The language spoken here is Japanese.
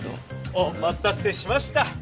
お待たせしました。